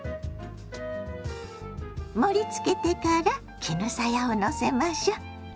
盛りつけてから絹さやをのせましょ。